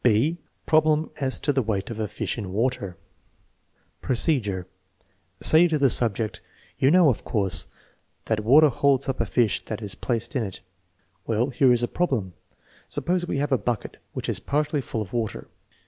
(6) Problem as to the weight of a fish in water Procedure. Say to the subject: " You know, of course, that water holds up a fish that is placed in it. Well, here is a problem. Suppose we have a bucket which is partly full of water.